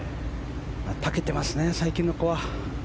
たけてますね、最近の子は。